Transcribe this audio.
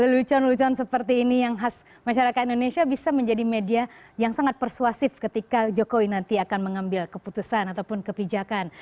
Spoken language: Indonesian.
lelucon lelucon seperti ini yang khas masyarakat indonesia bisa menjadi media yang sangat persuasif ketika jokowi nanti akan mengambil keputusan ataupun kebijakan